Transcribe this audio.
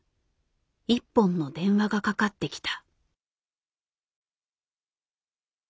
一本の電話がかかってきた。